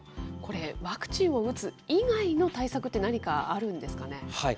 これ、ワクチンを打つ以外の対策って何かあるんですかね。